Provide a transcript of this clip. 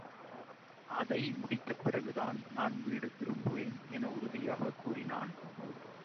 அதை முடித்த பிறகுதான், நான் வீடு திரும்புவேன் என உறுதியாகக் கூறினான்.